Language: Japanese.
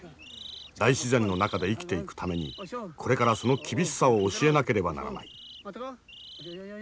大自然の中で生きていくためにこれからその厳しさを教えなければならない。